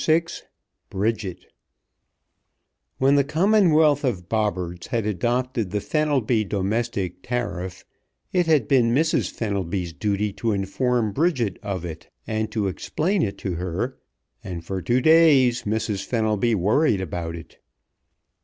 VI BRIDGET When the Commonwealth of Bobberts had adopted the Fenelby Domestic Tariff it had been Mrs. Fenelby's duty to inform Bridget of it, and to explain it to her, and for two days Mrs. Fenelby worried about it.